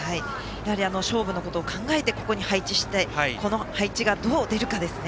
勝負のことを考えてここに配置したのでこの配置がどう出るかですね。